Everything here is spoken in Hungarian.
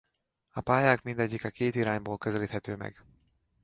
A pályák mindegyike két irányból közelíthető meg.